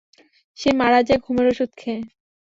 সে মারা যায় ঘুমের অষুধ খেয়ে।